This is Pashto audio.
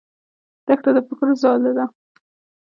دښته د فکرو ځاله ده.